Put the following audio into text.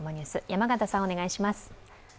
山形さん、お願いします。